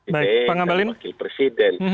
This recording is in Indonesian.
dari wakil presiden